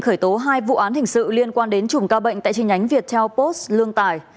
khởi tố hai vụ án hình sự liên quan đến chủng ca bệnh tại chi nhánh viettel post lương tài